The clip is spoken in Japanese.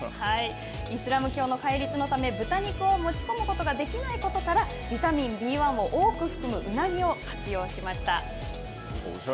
イスラム教の戒律のため、豚肉を持ち込むことができないことから、ビタミンＢ１を多く含むうなぎを活用しました。